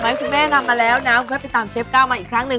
สวัสดีค่ะคุณแม่กลับมาแล้วนะไปตามเชฟก้าวมาอีกครั้งหนึ่ง